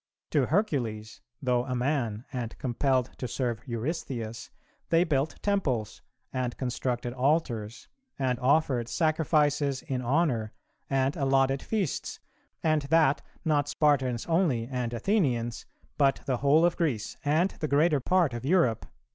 To Hercules, though a man ... and compelled to serve Eurystheus, they built temples, and constructed altars, and offered sacrifices in honour, and allotted feasts; and that, not Spartans only and Athenians, but the whole of Greece and the greater part of Europe."